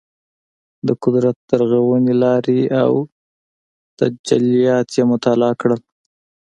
د قدرت د رغونې لارې او تجلیات یې مطالعه کړل.